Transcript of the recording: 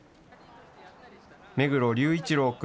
目黒龍一郎君。